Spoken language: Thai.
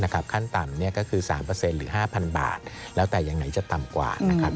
ขั้นต่ำก็คือ๓หรือ๕๐๐บาทแล้วแต่อย่างไหนจะต่ำกว่านะครับ